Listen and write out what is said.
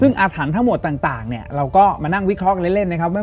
ซึ่งอาถรรพ์ทั้งหมดต่างเราก็มานั่งวิเคราะห์กันเล่น